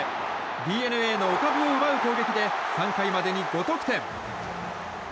ＤｅＮＡのお株を奪う攻撃で３回までに５得点。